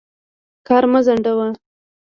کار مه ځنډوه.